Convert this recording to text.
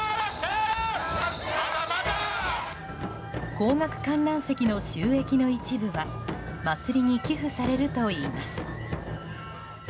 高額観覧席の収益の一部は祭りに寄付されるといいます。